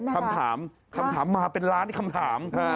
คำถามคำถามมาเป็นล้านคำถาม